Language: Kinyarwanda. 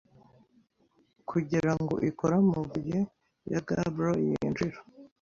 kugirango ikore amabuye ya gabbro yinjira